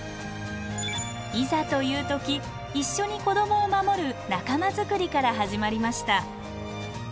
いざという時一緒に子どもを守る仲間づくりから始まりました。